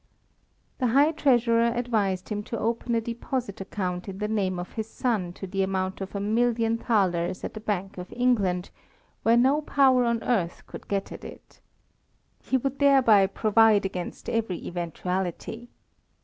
The High Treasurer advised him to open a deposit account in the name of his son to the amount of a million thalers at the Bank of England, where no power on earth could get at it. He would thereby provide against every eventuality.